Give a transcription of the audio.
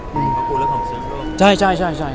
เพราะกลุ่มเรื่องของชีวิตใช่ไหมครับใช่ใช่ใช่ครับ